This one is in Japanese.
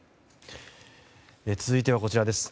続いてはこちらです。